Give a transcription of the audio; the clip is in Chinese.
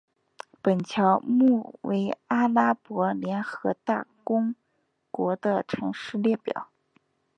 本条目为阿拉伯联合大公国的城市列表。